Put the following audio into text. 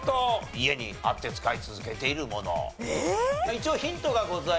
一応ヒントがございます。